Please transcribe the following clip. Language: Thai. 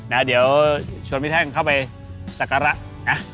นะเดี๋ยวชวนพี่แท่งเข้าไปสักการะ